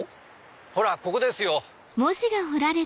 ほらここですよ。